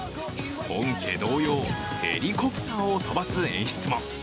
本家同様、ヘリコプターを飛ばす演出も。